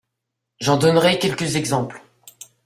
J’en donnerai quelques exemples.